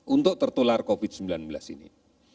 untuk tertular covid sembilan belas ini